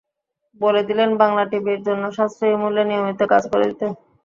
বলে দিলেন বাংলা টিভির জন্য সাশ্রয়ী মূল্যে নিয়মিত কাজ করে দিতে।